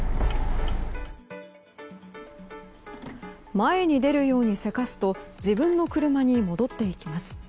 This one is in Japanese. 前に出るようにせかすと自分の車に戻っていきます。